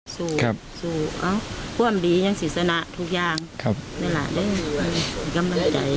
สุขสุขภวมดียังศีรษณะทุกอย่างครับได้ล่ะเนี่ยกำลังใจ